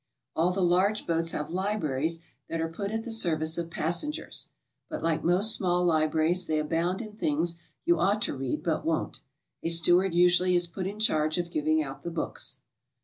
All the large boats have libraries that are put at the ser vice of passengers, but like most small libraries they abound in 'things you ought to read but won't. A steward usually is put in charge of giving out the books.